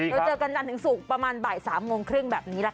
เราเจอกันจนถึงสู่ประมาณบ่ายสามโมงครึ่งแบบนี้แหละค่ะ